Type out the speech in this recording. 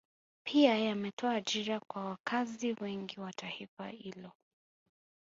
Pia yametoa ajira kwa wakazi wengi wa taifa hilo